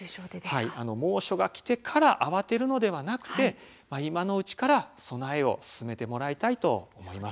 猛暑がきてから慌てるのではなくて今のうちから備えを進めてもらいたいと思います。